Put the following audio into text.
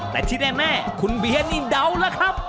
แต่ที่แน่คุณเบียนี่เดาแล้วครับ